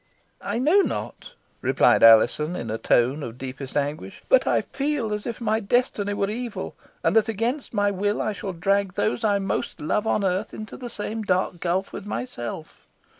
"I know not," replied Alizon, in a tone of deepest anguish, "but I feel as if my destiny were evil; and that, against my will, I shall drag those I most love on earth into the same dark gulf with myself.